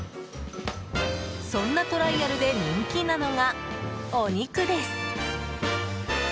そんなトライアルで人気なのが、お肉です。